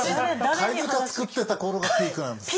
貝塚作ってた頃がピークなんですよ。